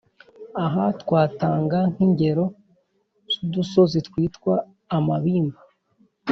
Aha twatanga nk’ingero z’udusozi twitwa amabimba